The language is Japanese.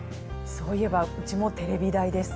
そういえばうちもテレビ台です。